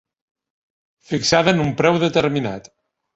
Fixada en un preu determinat.